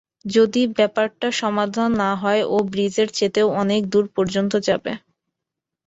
যদি ব্যাপারটা সমাধান না হয়, ও ব্রীজের চাইতেও অনেক দূর পর্যন্ত যাবে।